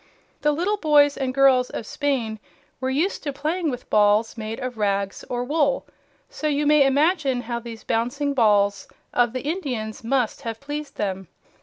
The little boys and girls of Spain were used to playing with balls made of rags or wool, so you may imagine how these bouncing balls of the Indians must have pleased them.